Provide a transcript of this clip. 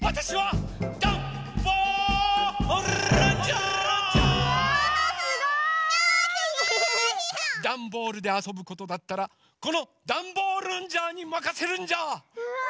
ダンボールであそぶことだったらこのダンボールンジャーにまかせるんジャー！うわ！